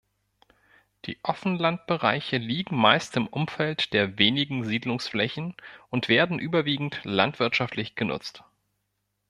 Die Offenlandbereiche liegen meist im Umfeld der wenigen Siedlungsflächen und werden überwiegend landwirtschaftlich genutzt.